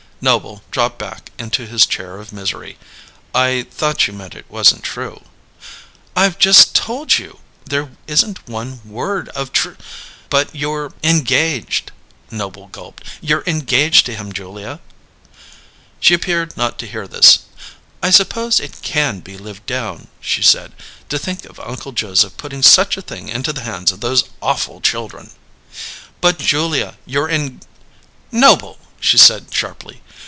Noble dropped back into his chair of misery. "I thought you meant it wasn't true." "I've just told you there isn't one word of tr " "But you're engaged," Noble gulped. "You're engaged to him, Julia!" She appeared not to hear this. "I suppose it can be lived down," she said. "To think of Uncle Joseph putting such a thing into the hands of those awful children!" "But, Julia, you're eng " "Noble!" she said sharply.